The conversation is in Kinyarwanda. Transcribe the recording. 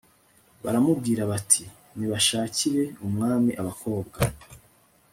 baramubwira bati nibashakire umwami abakobwa